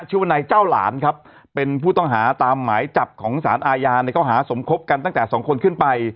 วนายเจ้าหลานครับเป็นผู้ต้องหาตามหมายจับของสารอาญาในข้อหาสมคบกันตั้งแต่สองคนขึ้นไป